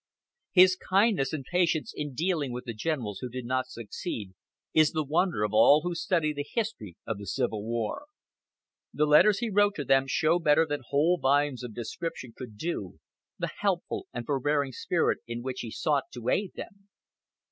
His kindness and patience in dealing with the generals who did not succeed is the wonder of all who study the history of the Civil War. The letters he wrote to them show better than whole volumes of description could do the helpful and forbearing spirit in which he sought to aid them.